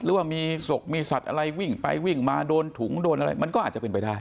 หรือว่ามีศพมีสัตว์อะไรวิ่งไปวิ่งมาโดนถุงโดนอะไรมันก็อาจจะเป็นไปได้